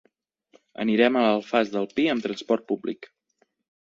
Anirem a l'Alfàs del Pi amb transport públic.